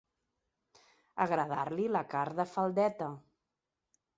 Agradar-li la carn de faldeta.